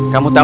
kamu tau gak